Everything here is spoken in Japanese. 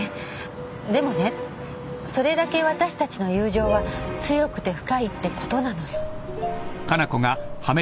でもねそれだけ私たちの友情は強くて深いってことなのよ。